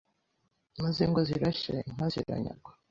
maze, ingo zirashya, inka ziranyagwa.